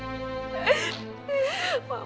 budak bangun tenang saja